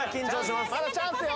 まだチャンスよ。